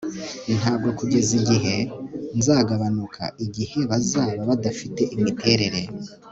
Ntabwo kugeza igihe nzagabanuka igihe bazaba badafite imiterere